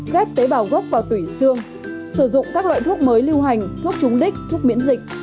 ghép tế bào gốc và tủy xương sử dụng các loại thuốc mới lưu hành thuốc trúng đích thuốc miễn dịch